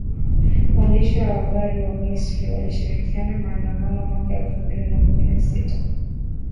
Waandishi wa habari wa Misri walishiriki maandamano mwaka elfu mbili na kumi na sita